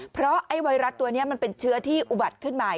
เพราะไอ้ไวรัสตัวนี้มันเป็นเชื้อที่อุบัติขึ้นใหม่